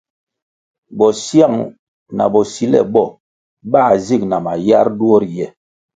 Bosyang na bosile bo bā zig na mayar duo riye.